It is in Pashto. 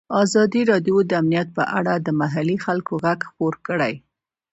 ازادي راډیو د امنیت په اړه د محلي خلکو غږ خپور کړی.